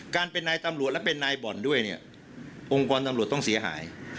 การเป็นนายตำรวจและเป็นนายบ่อนด้วยเนี่ยองค์กรตำรวจต้องเสียหาย